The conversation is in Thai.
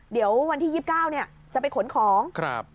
เดี๋ยววันที่๒๙จะไปขนของ